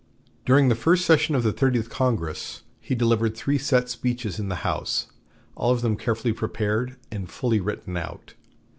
During the first session of the Thirtieth Congress he delivered three set speeches in the House, all of them carefully prepared and fully written out.